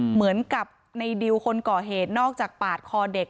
เหมือนกับในดิวคนก่อเหตุนอกจากปาดคอเด็ก